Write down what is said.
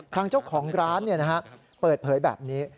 ทางเจ้าของร้านเปิดเผยแบบนี้